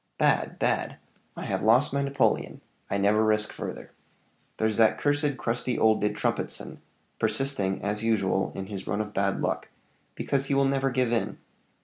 "Bad bad! I have lost my napoleon: I never risk further. There's that cursed crusty old De Trumpetson, persisting, as usual, in his run of bad luck, because he will never give in.